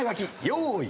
用意。